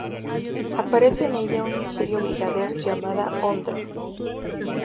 Aparece en ella un misterioso brigadier llamado Hunter.